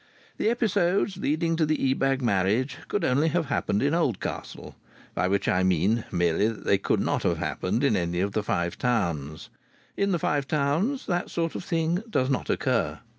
The episodes leading to the Ebag marriage could only have happened in Oldcastle. By which I mean merely that they could not have happened in any of the Five Towns. In the Five Towns that sort of thing does not occur.